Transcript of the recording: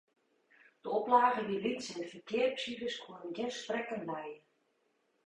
De oplage wie lyts en de ferkeapsifers koene gjin sprekken lije.